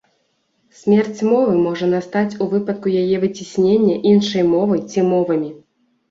Смерць мовы можа настаць у выпадку яе выцяснення іншай мовай ці мовамі.